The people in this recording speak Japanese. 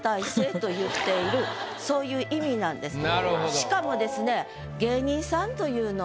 しかもですね